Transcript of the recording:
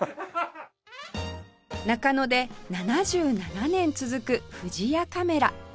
中野で７７年続くフジヤカメラ